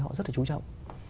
họ rất là chú trọng